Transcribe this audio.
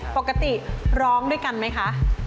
ปกติร้องด้วยกันไหมคะ